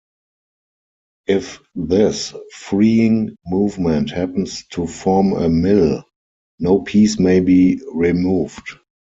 If this freeing movement happens to form a mill, no piece may be removed.